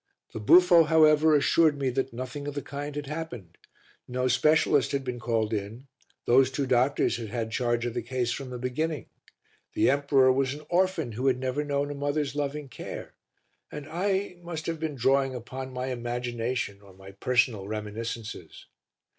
The buffo, however, assured me that nothing of the kind had happened; no specialist had been called in, those two doctors had had charge of the case from the beginning, the emperor was an orphan who had never known a mother's loving care and I must have been drawing upon my imagination or my personal reminiscences.